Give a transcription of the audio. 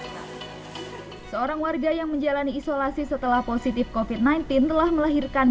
hai seorang warga yang menjalani isolasi setelah positif kofit sembilan belas telah melahirkan